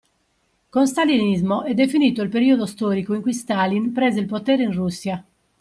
Con stalinismo è definito il periodo storico in cui Stalin prese il potere in Russia.